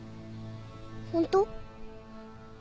ホント？